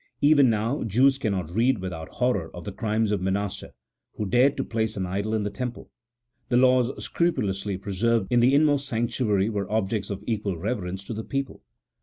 Even now, Jews cannot read without horror of the crime of Manasseh, who dared to place an idol in the Temple. The laws, scrupulously preserved in the inmost sanctuary, were objects of equal reverence to the people.